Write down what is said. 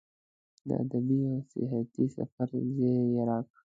د ادبي او سیاحتي سفر زیری یې راکړ.